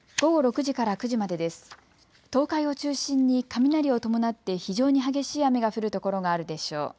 東海を中心に雷を伴って非常に激しい雨が降る所があるでしょう。